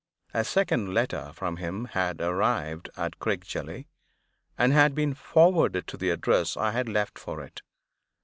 A second letter from him had arrived at Crickgelly, and had been forwarded to the address I had left for it.